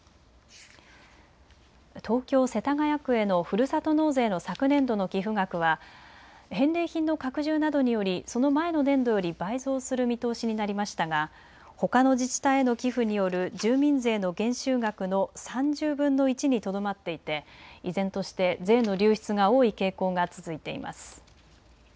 東京世田谷区へのふるさと納税の昨年度の寄付額は返礼品の拡充などによりその前の年度より倍増する見通しになりましたが、ほかの自治体への寄付による住民税の減収額の３０分の１にとどまっていて依然として税の流出が多い傾向が続いています。